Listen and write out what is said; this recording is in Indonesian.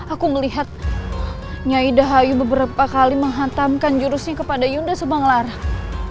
aku melihat nyai dahayu beberapa kali menghantamkan jurusnya kepada yunda semua ngelarang